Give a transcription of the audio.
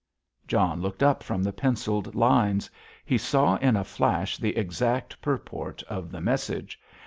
John looked up from the pencilled lines. He saw in a flash the exact purport of the message.